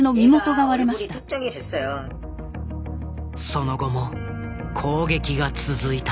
その後も攻撃が続いた。